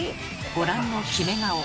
ご覧のキメ顔。